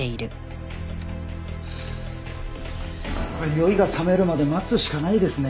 酔いがさめるまで待つしかないですね。